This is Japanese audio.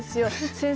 先生。